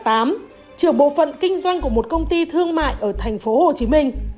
trưởng bộ phận kinh doanh của một công ty thương mại ở thành phố hồ chí minh